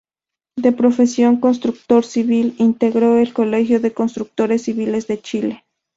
De profesión constructor civil, integró el Colegio de Constructores Civiles de Chile.